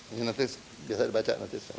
ini nanti bisa dibaca